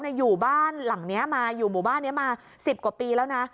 อยู่บ้านหลังนี้มาอยู่หมู่บ้านนี้มา๑๐กว่าปีแล้วนะ